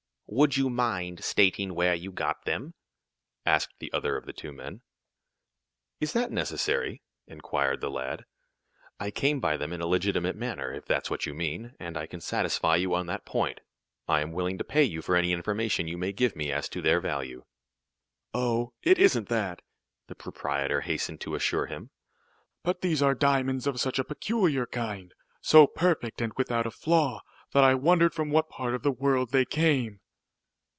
"Would you mind stating where you got them?" asked the other of the two men. "Is that necessary?" inquired the lad. "I came by them in a legitimate manner, if that's what you mean, and I can satisfy you on that point. I am willing to pay for any information you may give me as to their value." "Oh, it isn't that," the proprietor hastened to assure him. "But these are diamonds of such a peculiar kind, so perfect and without a flaw, that I wondered from what part of the world they came."